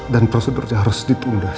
dan prosedurnya harus ditunda sampai